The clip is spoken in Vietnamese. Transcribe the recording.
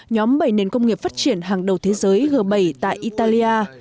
nhóm bảy nền công nghiệp phát triển hàng đầu thế giới g bảy tại italia